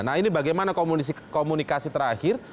nah ini bagaimana komunikasi terakhir